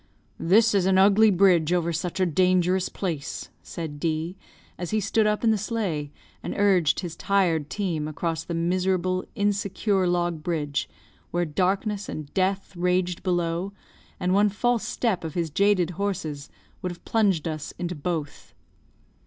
"This is an ugly bridge over such a dangerous place," said D , as he stood up in the sleigh and urged his tired team across the miserable, insecure log bridge, where darkness and death raged below, and one false step of his jaded horses would have plunged us into both.